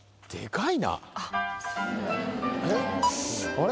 あれ？